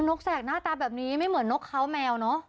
กแสกหน้าตาแบบนี้ไม่เหมือนนกเขาแมวเนอะ